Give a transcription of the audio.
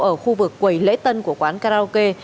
ở khu vực quầy lễ tân của quán karaoke